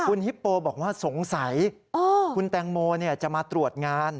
คุณฮิปโปบอกว่าสงสัยคุณแตงโมจะมาตรวจงาน